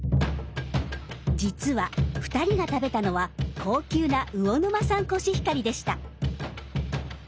実は２人が食べたのは高級な魚沼産コシヒカリでした。